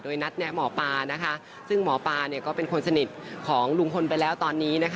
นัดแนะหมอปลานะคะซึ่งหมอปลาก็เป็นคนสนิทของลุงพลไปแล้วตอนนี้นะคะ